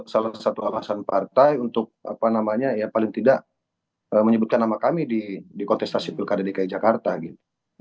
salah satu alasan partai untuk apa namanya ya paling tidak menyebutkan nama kami di kontestasi pilkada dki jakarta gitu